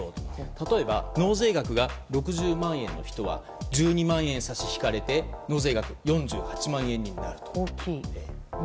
例えば納税額が６０万円の人は１２万円差し引かれて納税額が４８万円になると。